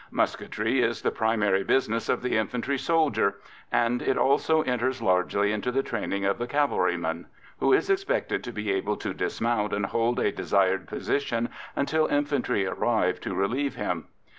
Musketry is the primary business of the infantry soldier, and it also enters largely into the training of the cavalryman, who is expected to be able to dismount and hold a desired position until infantry arrive to relieve him.